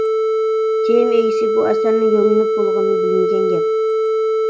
تېما ئىگىسى بۇ ئەسەرنىڭ يوللىنىپ بولغىنىنى بىلمىگەن گەپ.